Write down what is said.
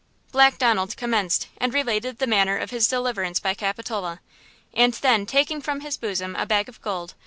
Black Donald commenced and related the manner of his deliverance by Capitola; and then, taking from his bosom a bag of gold.